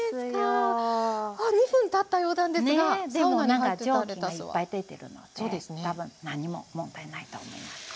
何か蒸気がいっぱい出てるので多分何も問題ないと思います。わ！